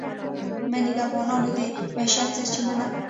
منی د افغانانو د معیشت سرچینه ده.